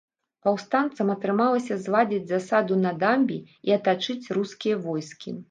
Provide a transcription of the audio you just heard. Паўстанцам атрымалася зладзіць засаду на дамбе і атачыць рускія войскі.